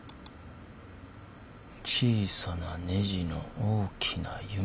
「小さなネジの、大きな夢」